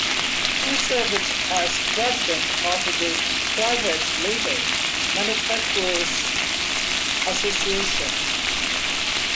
He served as president of the Private Label Manufacturers Association.